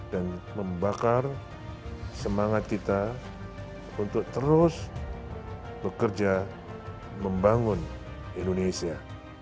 dan membakar semangat kita untuk terus bekerja membangun indonesia